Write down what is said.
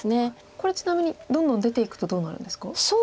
これちなみにどんどん出ていくとどうなるんですか？